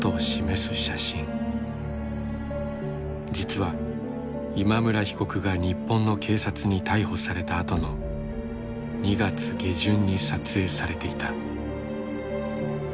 実は今村被告が日本の警察に逮捕されたあとの２月下旬に撮影されていた。